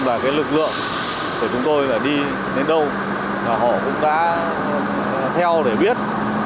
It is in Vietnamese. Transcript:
và lực lượng của chúng tôi đi đến đâu họ cũng đã theo để biết